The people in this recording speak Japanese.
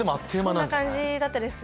そんな感じだったですね。